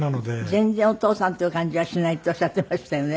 全然お父さんっていう感じがしないっておっしゃってましたよね。